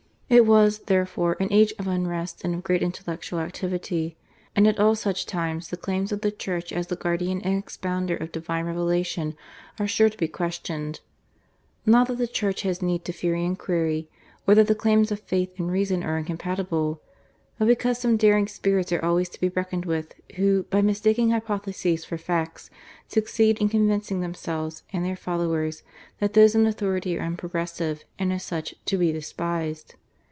It was, therefore, an age of unrest and of great intellectual activity, and at all such times the claims of the Church as the guardian and expounder of Divine Revelation are sure to be questioned. Not that the Church has need to fear inquiry, or that the claims of faith and reason are incompatible, but because some daring spirits are always to be reckoned with, who, by mistaking hypotheses for facts, succeed in convincing themselves and their followers that those in authority are unprogressive, and as such, to be despised.